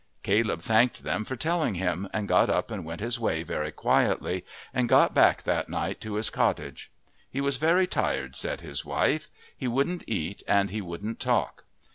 Caleb thanked them for telling him, and got up and went his way very quietly, and got back that night to his cottage. He was very tired, said his wife; he wouldn't eat and he wouldn't talk.